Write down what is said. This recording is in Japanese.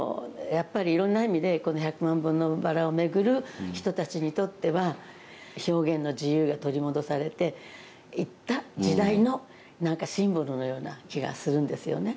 いろんな意味で「百万本のバラ」を巡る人たちにとっては表現の自由が取り戻されていった時代のシンボルのような気がするんですよね。